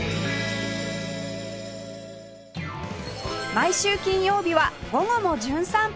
毎週金曜日は『午後もじゅん散歩』